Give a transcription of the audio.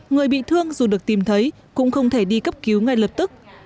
người bị thương dù được tìm thấy cũng không thể đi cấp cứu ngay lập tức